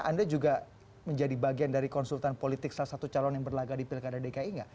anda juga menjadi bagian dari konsultan politik salah satu calon yang berlagak di pilkada dki nggak